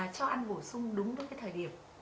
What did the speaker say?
cho ăn vổ sung đúng với thời điểm